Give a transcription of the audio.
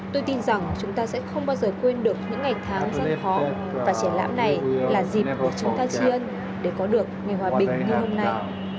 tôi tin rằng chúng ta sẽ không bao giờ quên được những ngày tháng rất khó và trẻ lãm này là dịp của chúng ta chiến để có được ngày hòa bình như hôm nay